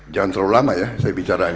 jangan terlalu lama ya saya bicara